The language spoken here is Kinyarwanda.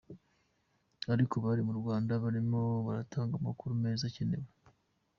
Ariko bari mu Rwanda barimo baratanga amakuru meza akenewe.”